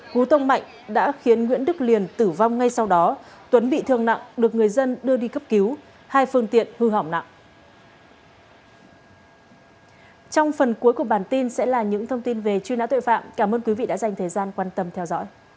hú tông mạnh đã khiến nguyễn đức liền tử vong ngay sau đó tuấn bị thương nặng được người dân đưa đi cấp cứu hai phương tiện hư hỏng nặng